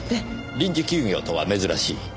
臨時休業とは珍しい。